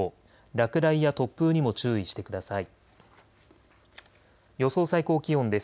落雷や突風にも注意してください。